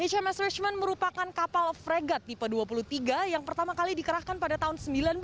hms richmond merupakan kapal frigat tipe dua puluh tiga yang pertama kali dikerahkan pada tahun seribu sembilan ratus sembilan puluh tiga